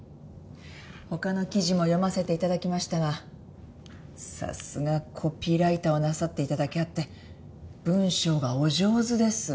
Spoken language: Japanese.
他の記事も読ませて頂きましたがさすがコピーライターをなさっていただけあって文章がお上手です。